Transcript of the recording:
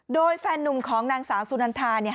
โดยแฟนนุ่มของนางสาวสุนันทาเนี่ย